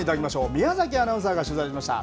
宮崎アナウンサーが取材しました。